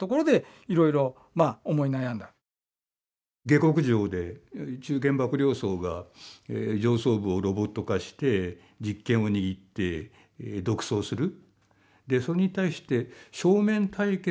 下克上で中堅幕僚層が上層部をロボット化して実権を握って独走する。